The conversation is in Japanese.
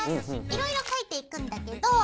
いろいろ描いていくんだけど。